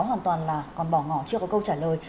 hoàn toàn là còn bỏ ngỏ chưa có câu trả lời